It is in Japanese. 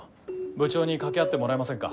部長に掛け合ってもらえませんか？